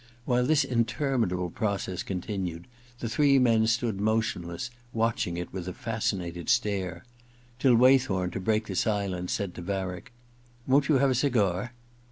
While this interminable process con tinued the three men stood motionless, watching it with a fascinated stare, till Waythorn, to break the silence, said to Varick :* Won't you have a cigar